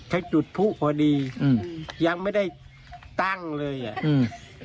จุดผู้พอดีอืมยังไม่ได้ตั้งเลยอ่ะอืม